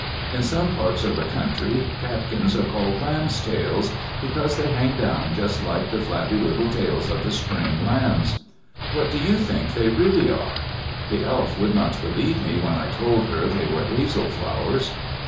In some parts of the country catkins are called lambstails, because they hang down just like the flabby little tails of the Spring lambs. What do you think they really are? The Elf would not believe me when I told her they were hazel flowers.